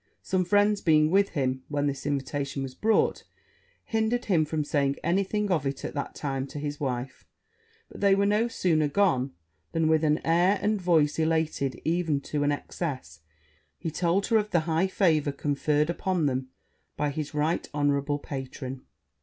Some friends being with him when this invitation was brought, hindered him from saying any thing of it at that time to his wife; but they were no sooner gone, than, with an air and voice elated even to an excess, he told her of the high favour conferred upon them by his right honourable patron.